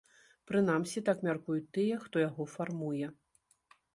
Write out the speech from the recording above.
Прынамсі, так мяркуюць тыя, хто яго фармуе.